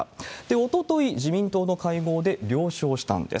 おととい、自民党の会合で了承したんです。